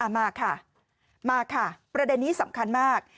มาค่ะมาค่ะประเด็นนี้สำคัญมาก